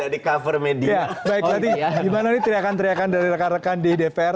baik jadi gimana nih teriakan teriakan dari rekan rekan di dpr